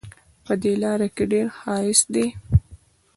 په دې لاره کې ډېر ښایست ده